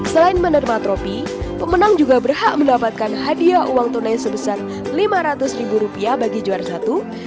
selain menerima tropi pemenang juga berhak mendapatkan hadiah uang tunai sebesar lima ratus ribu rupiah bagi juara satu